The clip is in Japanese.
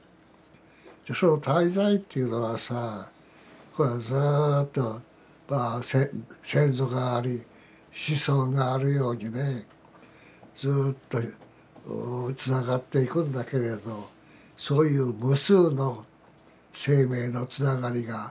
その滞在というのはさこれはずっと先祖があり子孫があるようにねずっとつながっていくんだけれどそういう無数の生命のつながりがひしめいているわけね。